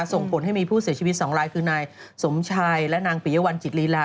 ส่งผลให้มีผู้เสียชีวิต๒รายคือนายสมชายและนางปิยวัลจิตลีลา